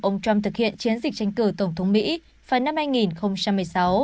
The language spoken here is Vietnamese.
ông trump thực hiện chiến dịch tranh cử tổng thống mỹ vào năm hai nghìn một mươi sáu